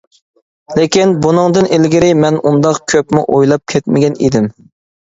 لېكىن، بۇنىڭدىن ئىلگىرى مەن ئۇنداق كۆپمۇ ئويلاپ كەتمىگەن ئىدىم.